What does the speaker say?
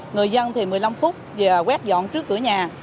người dân thì một mươi năm phút dọn trước cửa nhà